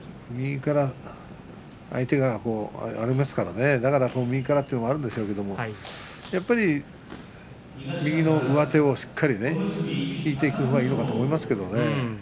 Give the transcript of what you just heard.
右から、相手がありますからね右からというのもあるんでしょうけれど右の上手をしっかりと引いていけばいいと思いますけどね。